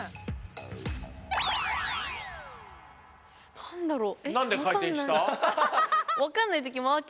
何だろう。